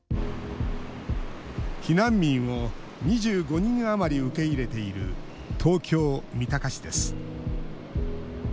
避難民を２５人余り受け入れている東京・三鷹市です。